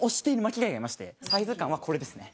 サイズ感はこれですね。